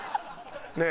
ねえ。